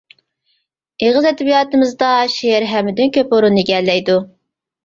ئېغىز ئەدەبىياتىمىزدا شېئىر ھەممىدىن كۆپ ئورۇننى ئىگىلەيدۇ.